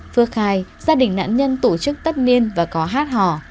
phước khai gia đình nạn nhân tổ chức tất niên và có hát hò